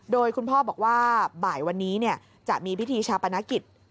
โดยคุณพ่อบอกว่าบ่ายวันนี้จะมีพิธีชาปนกิจ